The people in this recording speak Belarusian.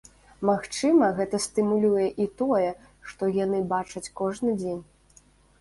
Магчыма, гэта стымулюе і тое, што яны бачаць кожны дзень.